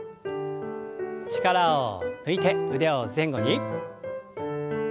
力を抜いて腕を前後に。